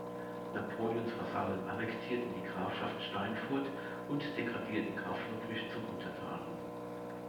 Napoleons Vasallen annektierten die Grafschaft Steinfurt und degradierten Graf Ludwig zum Untertanen.